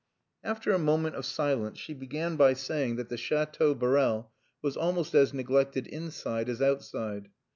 After a moment of silence she began by saying that the Chateau Borel was almost as neglected inside as outside.